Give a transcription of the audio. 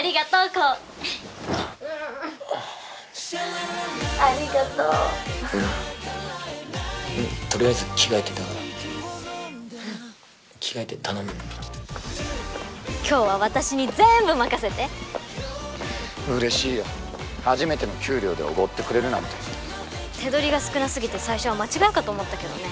煌うんありがとうんとりあえず着替えてだから着替えて頼む今日は私にぜんぶ任せてうれしいよ初めての給料でおごってくれるなんて手取りが少なすぎて最初は間違いかと思ったけどね